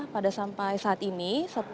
pada sampai saat ini sepuluh tiga puluh tiga